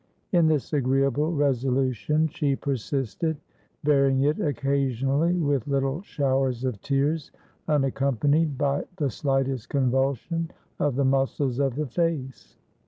In this agreeable resolution she persisted, varying it occasionally with little showers of tears unaccompanied by the slightest convulsion of the muscles of the face.